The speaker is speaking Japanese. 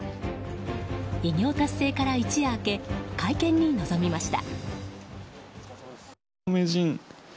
偉業達成から一夜明け会見に臨みました。